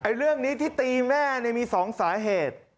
อันที่ตีแม่มี๒สาเหตุ